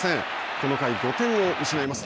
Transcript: この回、５点を失います。